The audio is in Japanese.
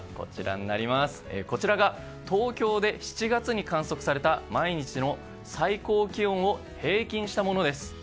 こちらが東京で７月に観測された毎日の最高気温を平均したものです。